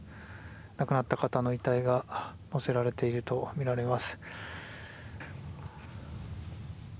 亡くなった方の遺体がのせられているとみられます。